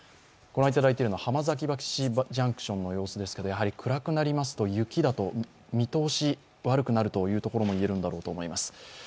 御覧いただいていますのは浜崎橋ジャンクションの様子ですけれども、暗くなりますと雪だと見通しが悪くなるということも言えるのだと思います。